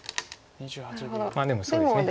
まあでもそうですね。